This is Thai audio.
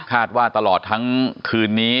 ว่าตลอดทั้งคืนนี้